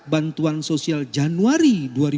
bantuan sosial januari dua ribu dua puluh